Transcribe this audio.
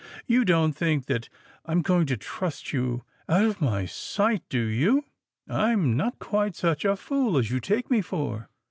"You don't think that I'm going to trust you out of my sight, do you now? I'm not quite such a fool as you take me for.